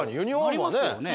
なりますよね。